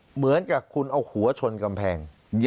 เหมือนกับคุณเอาหัวชนกำแพง